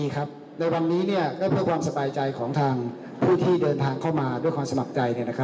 ก็มลวงสบายใจของทางผู้ที่เดินทางเข้ามาด้วยความสมัครใจ